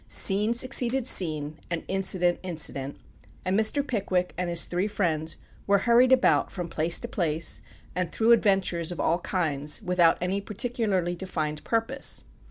Scene succeeded scene, and incident incident, and Mr. Pickwick and his three friends were hurried about from place to place, and through adventures of all kinds, without any particularly defined purpose.